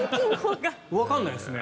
わからないですね。